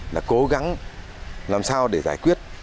là cố gắng làm sao để giải quyết